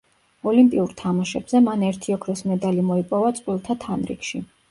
ოლიმპიურ თამაშებზე, მან ერთი ოქროს მედალი მოიპოვა წყვილთა თანრიგში.